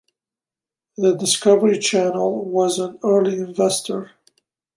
The Discovery Channel was an early investor.